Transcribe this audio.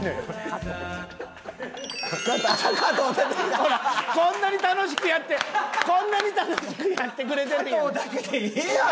ほらこんなに楽しくやってこんなに楽しくやってくれてるのに。